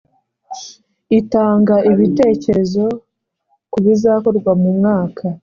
itanga ibitekerezo kubizakorwa mu mwaka